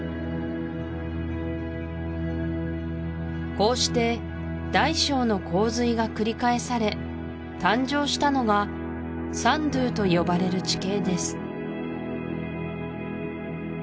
こうして大小の洪水が繰り返され誕生したのがサンドゥーと呼ばれる地形です